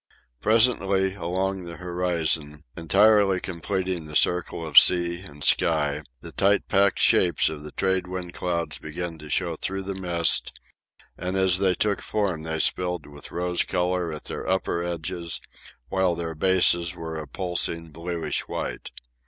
Presently, along the horizon, entirely completing the circle of sea and sky, the tight packed shapes of the trade wind clouds began to show through the mist; and as they took form they spilled with rose colour at their upper edges, while their bases were a pulsing, bluish white.